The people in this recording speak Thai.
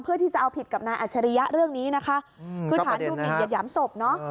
เพื่อที่จะเอาผิดกับนายอัจฉริยะเรื่องนี้นะคะคือฐานดูผิดเหยียดหยามศพเนอะ